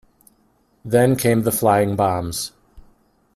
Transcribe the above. Then came the flying bombs.